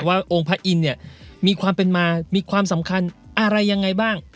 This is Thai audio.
ว่าองค์พระอินทร์เนี่ยมีความเป็นมามีความสำคัญอะไรยังไงบ้าง